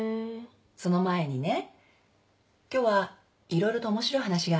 その前にね今日は色々と面白い話があるの。